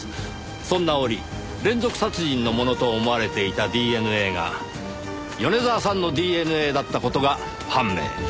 そんな折連続殺人のものと思われていたＤＮＡが米沢さんのＤＮＡだった事が判明。